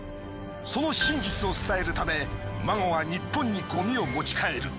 その真実を伝えるためＭＡＧＯは日本にゴミを持ち帰る。